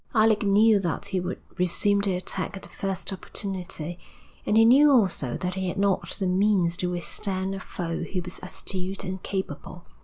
Alec knew that he would resume the attack at the first opportunity, and he knew also that he had not the means to withstand a foe who was astute and capable.